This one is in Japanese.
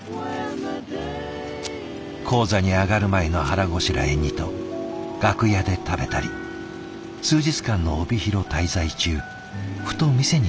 高座に上がる前の腹ごしらえにと楽屋で食べたり数日間の帯広滞在中ふと店に顔を出して食べたり。